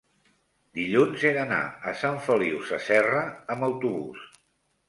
dilluns he d'anar a Sant Feliu Sasserra amb autobús.